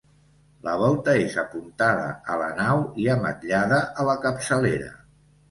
La volta és apuntada a la nau i ametllada a la capçalera.